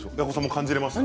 感じられますか。